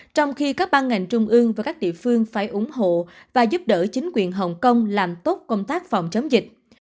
trong khi các ban ngành trung ương và các địa phương phải ủng hộ và giúp đỡ chính quyền hồng kông làm tốt công tác phòng chống dịch